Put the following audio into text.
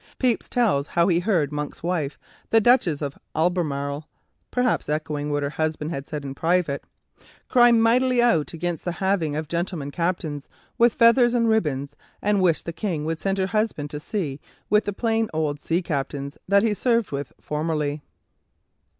Pepys tells how he heard Monk's wife, the Duchess of Albemarle (perhaps echoing what her husband had said in private), "cry mightily out against the having of gentlemen captains, with feathers and ribbons, and wish the King would send her husband to sea with the old plain sea captains that he served with formerly."